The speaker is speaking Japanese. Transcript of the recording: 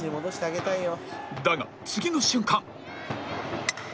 だが次の瞬間